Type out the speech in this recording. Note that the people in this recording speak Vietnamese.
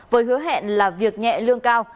với hứa hẹn là việc nhẹ lương cao